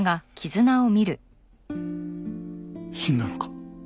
死んだのか？